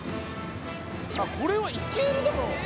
あっこれはいけるだろう